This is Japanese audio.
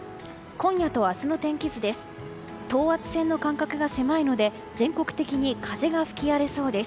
今夜と明日の天気図です。